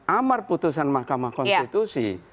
amar putusan mahkamah konstitusi